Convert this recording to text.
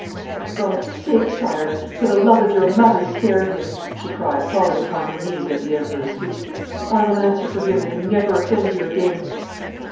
'For God's sake, Sire! For the love of your mother spare him!' she cried, falling upon her knees at the Emperor's feet. 'I will answer for him that he never offends you again.'